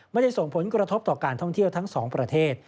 ไม่ได้ส่งผลกระทบต่อการท่องเที่ยวทั้งสองประเทศ